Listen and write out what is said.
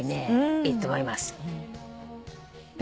いいと思います。